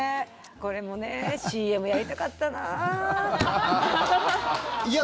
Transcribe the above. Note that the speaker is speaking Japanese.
これもねＣＭやりたかったなー。